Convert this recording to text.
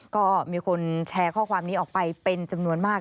ก็มีคนแชร์ข้อความนี้ออกไปเป็นจำนวนมาก